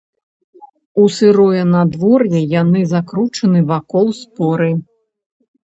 У сырое надвор'е яны закручаны вакол споры.